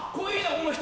この人。